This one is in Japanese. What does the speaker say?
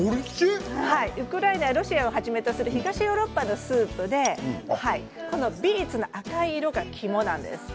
ウクライナやロシアをはじめとする東ヨーロッパのスープでこのビーツの赤い色が肝なんです。